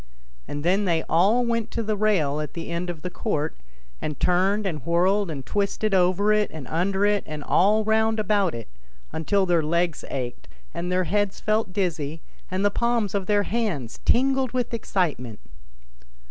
And then they all went to the rail at the end of the court and turned and whirled and twisted over it and under it and all round about it, until their legs ached and their heads felt dizzy, and the palms of their hands tingled with excitement.